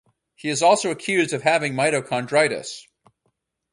He is also accused of having mitochondritis.